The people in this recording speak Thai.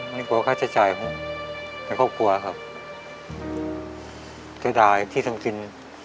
ไม่กลัวค่าใช้จ่ายผมในครอบครัวครับจะได้ที่ทำกิน